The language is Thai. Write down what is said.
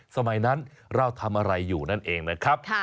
สมัยนั้นเราทำอะไรอยู่นั่นเองนะครับ